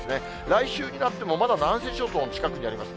来週になっても、まだ南西諸島の近くにあります。